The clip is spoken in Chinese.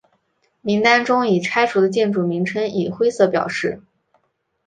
名单中已拆除的建筑名称以灰色表示。